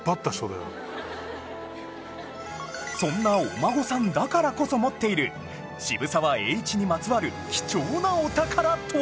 そんなお孫さんだからこそ持っている渋沢栄一にまつわる貴重なお宝とは？